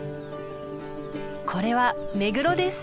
これはメグロです。